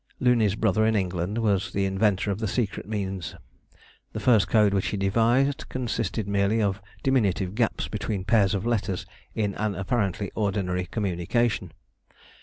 Looney's brother in England was the inventor of the secret means. The first code which he devised consisted merely of diminutive gaps between pairs of letters in an apparently ordinary communication.